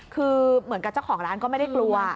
คือเหมือนกับเจ้าของร้านก็ไม่ได้กลัว